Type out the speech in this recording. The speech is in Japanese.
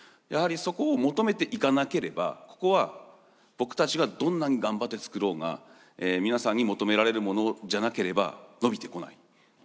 やはりそこを求めていかなければここは僕たちがどんなに頑張って作ろうが皆さんに求められるものじゃなければ伸びてこない。